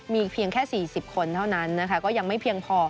มีเพียงแค่๔๐คนเท่านั้นนะคะก็ยังไม่เพียงพอ